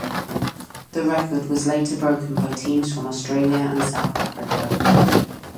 The record was later broken by teams from Australia and South Africa.